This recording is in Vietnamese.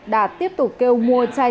đạt tiếp tục kêu mua chai